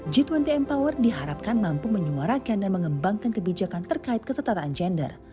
g dua puluh empower diharapkan mampu menyuarakan dan mengembangkan kebijakan terkait kesetaraan gender